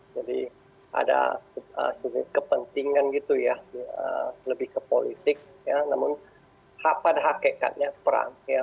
jadi ada sebuah kepentingan gitu ya lebih ke politik ya namun hapat hakikatnya perang ya